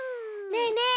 ねえねえ